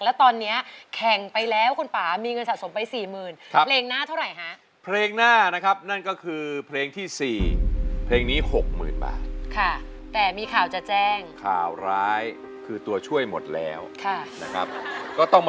และตอนนี้แข่งไปแล้วคุณป้ามีเงินสะสมไปสี่หมื่น